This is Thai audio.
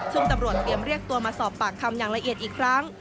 ซึ่งตำรวจเตรียมเรียกตัวมาสอบปากคำอย่างละเอียดอีกครั้ง